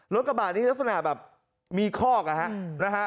กระบาดนี้ลักษณะแบบมีคอกนะฮะ